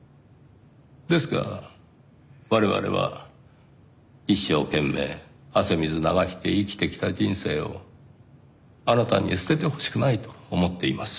ですが我々は一生懸命汗水流して生きてきた人生をあなたに捨ててほしくないと思っています。